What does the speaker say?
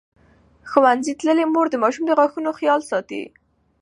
ښوونځې تللې مور د ماشوم د غاښونو خیال ساتي.